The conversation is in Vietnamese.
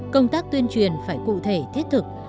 công tác tuyên truyền phải cụ thể thiết thực